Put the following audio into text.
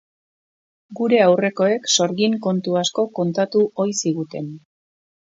Gure aurrekoek sorgin-kontu asko kontatu ohi ziguten.